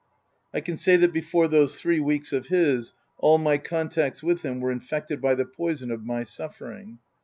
I can say that before those three weeks of his all my contacts with him were infected by the poison of my suffering.